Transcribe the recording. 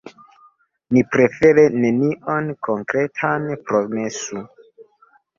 Ni prefere nenion konkretan promesu.